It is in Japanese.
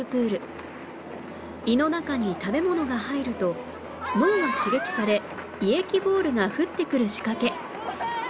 胃の中に食べ物が入ると脳が刺激され胃液ボールが降ってくる仕掛け